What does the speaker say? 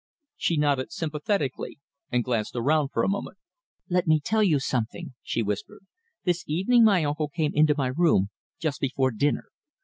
She nodded sympathetically and glanced around for a moment. "Let me tell you something," she whispered. "This evening my uncle came into my room just before dinner.